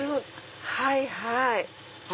はいはい。